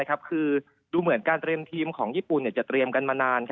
คือดูเหมือนการเตรียมทีมของญี่ปุ่นจะเตรียมกันมานาน